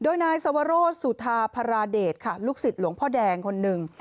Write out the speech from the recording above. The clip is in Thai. โดยนายสวโรธสุธาพระราเดชค่ะลูกศิษย์หลวงพ่อแดงคนหนึ่ง